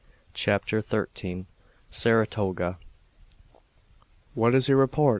CHAPTER XIII. SARATOGA. "What is your report?"